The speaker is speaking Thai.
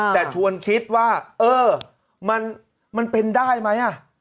แต่ชวนคิดว่าเออมันเป็นได้ไหม